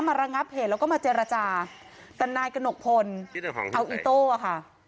ระงับเหตุแล้วก็มาเจรจาแต่นายกระหนกพลเอาอิโต้อ่ะค่ะ